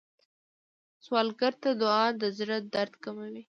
سوالګر ته دعا د زړه درد کموي